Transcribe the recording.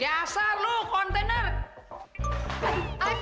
ya asal kutubku berat tuh